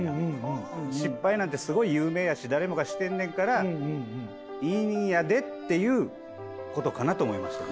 失敗なんてすごい有名やし誰もがしてんねんから。っていう事かなと思いましたね。